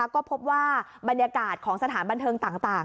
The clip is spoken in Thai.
ก็พบว่าบรรยากาศของสถานบันเทิงต่าง